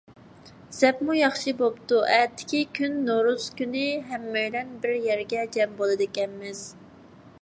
زەپمۇ ياخشى بوپتۇ، ئەتىكى كۈن نورۇز كۈنى، ھەممەيلەن بىر يەرگە جەم بولىدىكەنمىز.